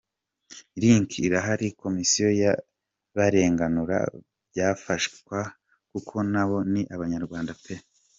Link irahari komisiyo yabarenganura bgafashwa kuko nabo ni abanyarwanda pe!.